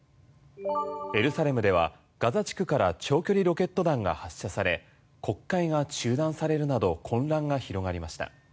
エルサレムではガザ地区から長距離ロケット弾が発射され国会が中断されるなど混乱が広がりました。